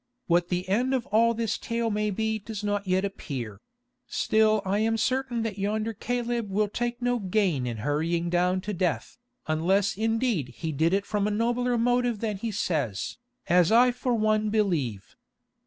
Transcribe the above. What the end of all this tale may be does not yet appear; still I am certain that yonder Caleb will take no gain in hurrying down to death, unless indeed he did it from a nobler motive than he says, as I for one believe."